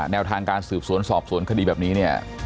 แนวทางการสืบสวนสอบสวนคดีแบบนี้เนี่ย